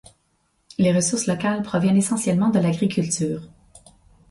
Les ressources locales proviennent essentiellement de l'agriculture.